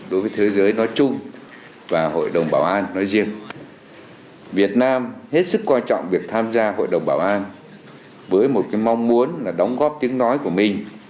đối với thế giới nói chung và hội đồng bảo an nói riêng việt nam hết sức quan trọng việc tham gia hội đồng bảo an với một cái mong muốn là đóng góp tiếng nói của mình